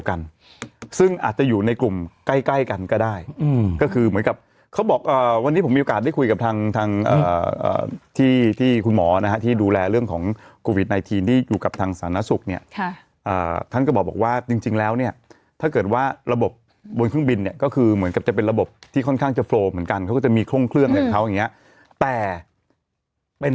กันก็ได้ก็คือเหมือนกับเขาบอกวันนี้ผมมีโอกาสได้คุยกับทางทางที่ที่คุณหมอนะฮะที่ดูแลเรื่องของโควิดไนทีนี่อยู่กับทางศาลนักศึกเนี่ยค่ะอ่าท่านก็บอกว่าจริงจริงแล้วเนี่ยถ้าเกิดว่าระบบบนเครื่องบินเนี่ยก็คือเหมือนกับจะเป็นระบบที่ค่อนข้างจะโฟเหมือนกันเขาก็จะมีโครงเครื่องเหมือนเขาอย่างเง